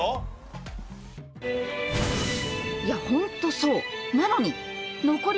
いや本当そう！